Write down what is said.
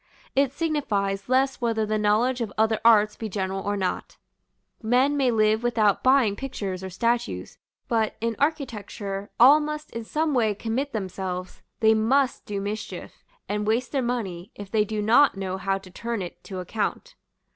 It signifies less whether the knowledge of other arts be general or not; men may live without buying pictures or statues: but, in architecture, all must in some way commit themselves; they must do mischief, and waste their money, if they do not know how to turn it to account.